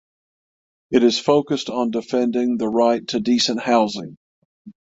It is focused on defending the right to decent housing.